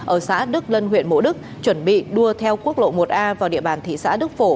ở xã đức lân huyện mộ đức chuẩn bị đua theo quốc lộ một a vào địa bàn thị xã đức phổ